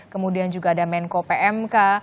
kemudian juga ada menko pmk